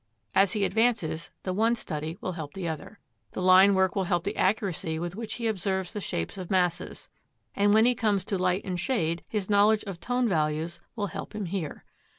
As he advances, the one study will help the other. The line work will help the accuracy with which he observes the shapes of masses, and when he comes to light and shade his knowledge of tone values will help him here.